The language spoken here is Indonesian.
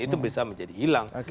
itu bisa menjadi hilang